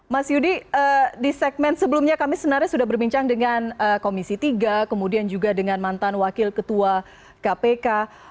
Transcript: mas yudi di segmen sebelumnya kami sebenarnya sudah berbincang dengan komisi tiga kemudian juga dengan mantan wakil ketua kpk